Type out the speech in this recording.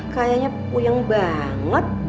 kayaknya puyeng banget